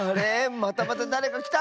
またまただれかきた！